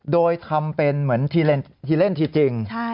โดยทำเป็นเหมือนทีเล่นทีจริง